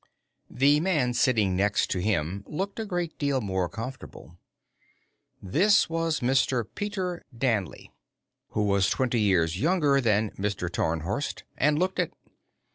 The man sitting next to him looked a great deal more comfortable. This was Mr. Peter Danley, who was twenty years younger than Mr. Tarnhorst and looked it.